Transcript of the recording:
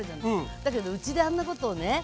だけどうちであんなことをね